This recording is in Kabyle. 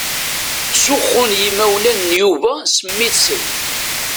Ttzuxxun yimawlan n Yuba s mmi-tsen.